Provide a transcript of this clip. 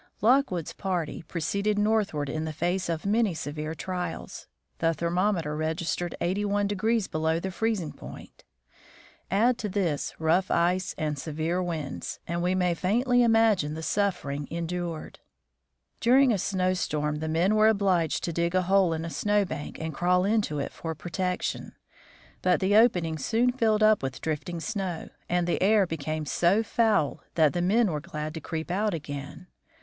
Lockwood's party proceeded northward in the. face of many severe trials. The thermometer registered 8i° below the freezing point; add to this rough ice and severe winds, and we may faintly imagine the suffering endured. During a snowstorm the men were obliged to dig a hole in a snow bank and crawl into it for protection. But the opening soon filled up with drifting snow, and the air became so foul that the men were glad to creep out again.